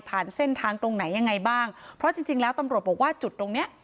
เส้นทางตรงไหนยังไงบ้างเพราะจริงจริงแล้วตำรวจบอกว่าจุดตรงเนี้ย